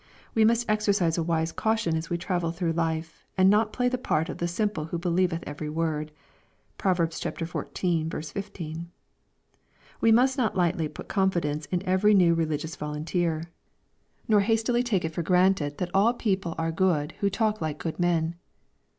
We must exercise a wise caution as we travel through life, and not play the part of the simple who believeth every word." (Prov. xiv. 16.) We must not lightly put confidence in every new religious volunteer, nor hastily take it fot 832 EXPOSITORY THOUGHTS. granted that all people are good who talk like good men.